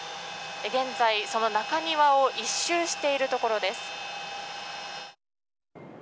現在、その中庭を１周しているところです。